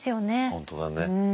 本当だね。